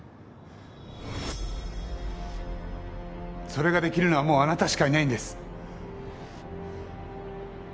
それが出来るのはもうあなたしかいないんです。